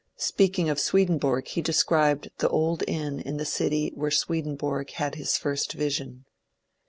Speaking of Swedenborg, he described the old inn in the city where Swedenborg had his first vision.